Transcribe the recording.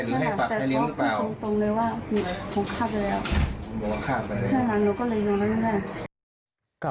อ๋อก็เล่าเอาไปส่งให้ใครหรือให้ฝากให้เลี้ยงหรือเปล่า